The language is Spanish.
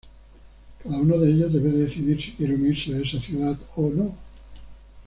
Cada uno de ellos debe decidir si quiere unirse a esa ciudad o no.